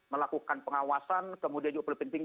melakukan pengawasan kemudian juga penting